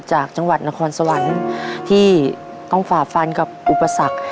จากจังหวัดนครสวรรค์ที่ต้องฝ่าฟันกับอุปสรรค